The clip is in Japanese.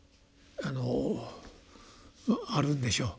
あのあるんでしょう。